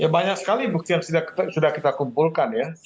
banyak sekali bukti yang sudah kita kumpulkan ya